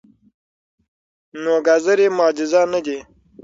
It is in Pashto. نو ګازرې معجزه نه دي.